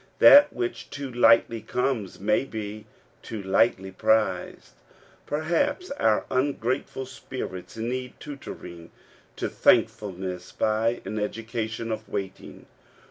That which too lightly comes may be too lightly prized. Perhaps our ungrateful spirits need tutoring to thankfulness by an education of waiting.